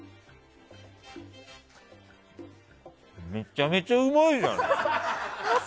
めっちゃめちゃうまいじゃん！